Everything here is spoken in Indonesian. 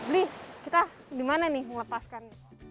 beli kita dimana nih melepaskan